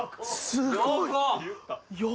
すごいよ。